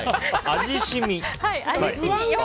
味しみを。